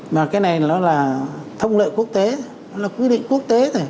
mà cái này nó là thông lợi quốc tế nó là quy định quốc tế thôi